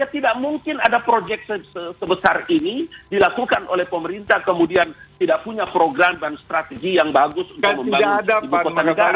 tidak mungkin ada proyek sebesar ini dilakukan oleh pemerintah kemudian tidak punya program dan strategi yang bagus untuk membangun ibu kota negara